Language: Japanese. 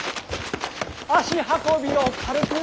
足運びを軽く。